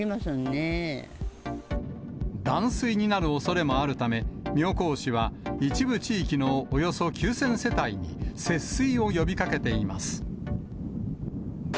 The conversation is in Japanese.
断水になるおそれもあるため、妙高市は一部地域のおよそ９０００世帯に節水を呼びかけています。